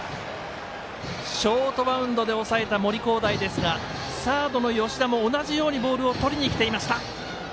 ショートバウンドでおさえた森煌誠ですがサードの吉田も同じようにボールをとりにきました。